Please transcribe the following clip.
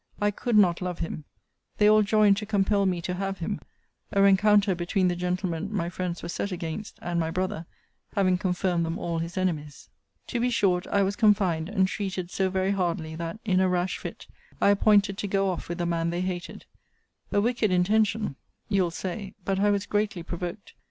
I could not love him. They all joined to compel me to have him; a rencounter between the gentleman my friends were set against, and my brother, having confirmed them all his enemies. 'To be short; I was confined, and treated so very hardly, that, in a rash fit, I appointed to go off with the man they hated. A wicked intention, you'll say! but I was greatly provoked.